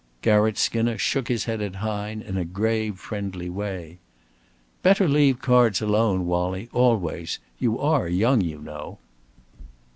Garratt Skinner shook his head at Hine in a grave friendly way. "Better leave cards alone, Wallie, always. You are young, you know."